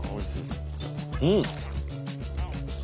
うん！